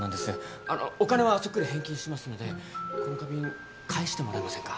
あのお金はそっくり返金しますのでこの花瓶返してもらえませんか？